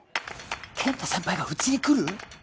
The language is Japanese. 健太先輩がうちに来る！？